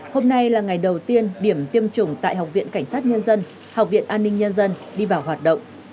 hôm nay là ngày đầu tiên điểm tiêm chủng tại học viện cảnh sát nhân dân học viện an ninh nhân dân đi vào hoạt động